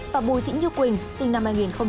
và bùi thĩ như quỳnh sinh năm hai nghìn hai